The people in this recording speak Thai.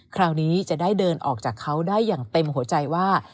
คราวนี้จะได้เดินออกจากเขาได้อย่างเต็มหัวใจว่า